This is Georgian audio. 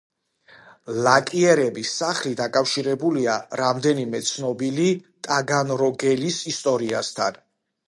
ლაკიერების სახლი დაკავშირებულია რამდენიმე ცნობილი ტაგანროგელის ისტორიასთან.